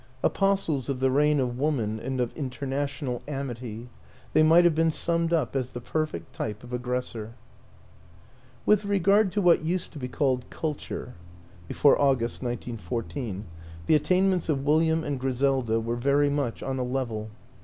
Apostles of the reign of Woman and of International Amity, they might have been summed up as the perfect type of aggressor. With regard to what used to be called culture (before August, 1914), the attainments of Wil liam and Griselda were very much on a level.